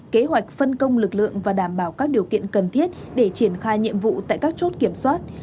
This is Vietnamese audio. kế hoạch phân công lực lượng và đảm bảo các điều kiện cần thiết để triển khai nhiệm vụ tại các chốt kiểm soát